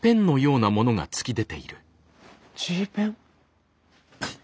Ｇペン？